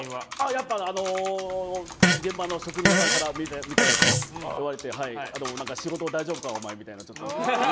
やっぱ、現場の職人さんから見たよと言われて仕事大丈夫か、お前みたいなことを。